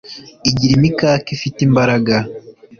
Igira imikaka ifite imbaraga